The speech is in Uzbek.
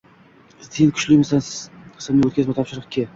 Sen Kuchlimisan, simli otkazma, topshiriq Ki